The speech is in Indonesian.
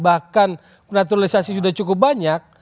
bahkan naturalisasi sudah cukup banyak